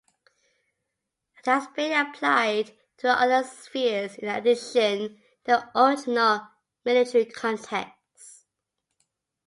It has been applied to other spheres in addition to the original military context.